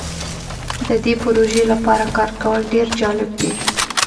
د دې پروژې لپاره کار کول ډیر جالب دی.